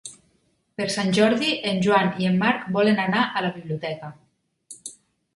Per Sant Jordi en Joan i en Marc volen anar a la biblioteca.